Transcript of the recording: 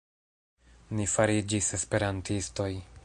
Ni fariĝis esperantistoj.